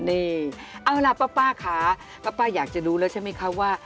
นี่เอาล่ะป้าค่ะป้าอยากจะรู้แล้วใช่ไหมคะว่า